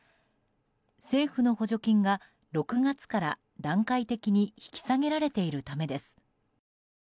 政府の補助金が６月から段階的に引き下げられているためです。